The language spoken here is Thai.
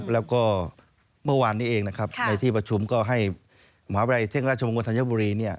แล้วก็เมื่อวานนี้เองนะครับในที่ประชุมก็ให้มหาวิทยาลัยเท่งราชวงศ์ธัญบุรี